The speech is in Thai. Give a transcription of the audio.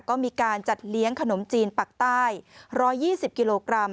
ก็มีการจัดเลี้ยงขนมจีนปักใต้๑๒๐กิโลกรัม